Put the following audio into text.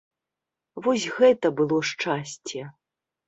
Вось гэта было шчасце!